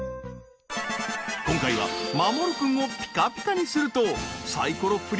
今回はまもる君をピカピカにするとサイコロ振り